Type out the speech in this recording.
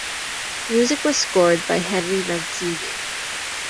Music was scored by Henry Mancini.